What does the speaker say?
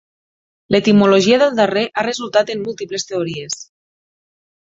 L'etimologia del darrer ha resultat en múltiples teories.